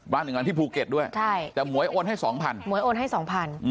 หนึ่งอันที่ภูเก็ตด้วยใช่แต่หมวยโอนให้สองพันหมวยโอนให้สองพัน